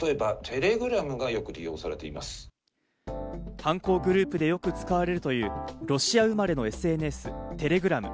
犯行グループでよく使われるというロシア生まれのＳＮＳ・テレグラム。